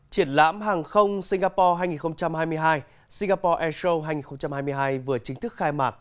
triển lãm hàng không singapore hai nghìn hai mươi hai singapore airshow hai nghìn hai mươi hai vừa chính thức khai mạc